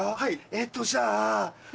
えっとじゃあ。